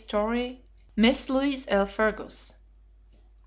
Story. Miss Louise L. Fergus.